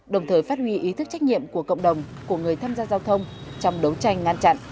đồng thời phát huy ý thức trách nhiệm của cộng đồng của người tham gia giao thông trong đấu tranh ngăn chặn